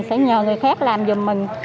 sẽ nhờ người khác làm giùm mình